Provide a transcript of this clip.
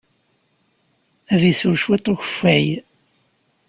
Ad isew cwiṭ n ukeffay.